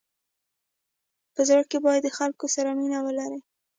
په زړه کي باید د خلکو سره مینه ولری.